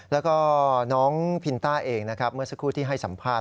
แล้วก็น้องพินต้าเองนะครับเมื่อสักครู่ที่ให้สัมภาษณ